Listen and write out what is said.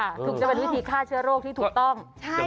ถึงจะเป็นวิธีฆ่าเชื้อโรคที่ถูกต้อง